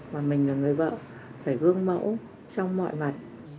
và mình là người vợ phải gương mẫu trong mọi mặt